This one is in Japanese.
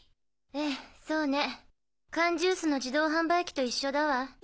ええそうね缶ジュースの自動販売機と一緒だわ。